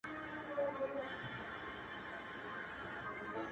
دا اوبه اورونو کي راونغاړه;